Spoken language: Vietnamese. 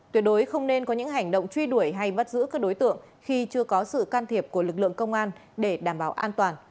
tuyệt đối không nên có những hành động truy đuổi hay bắt giữ các đối tượng khi chưa có sự can thiệp của lực lượng công an để đảm bảo an toàn